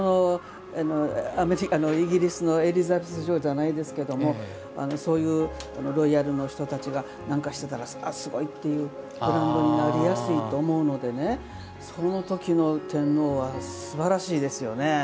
イギリスのエリザベス女王じゃないですけどそういうロイヤルの方が何かしてたらすごい！ってブランドになりやすいと思うのでその時の天皇はすばらしいですよね。